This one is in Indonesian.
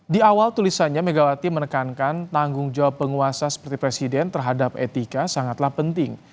di awal tulisannya megawati menekankan tanggung jawab penguasa seperti presiden terhadap etika sangatlah penting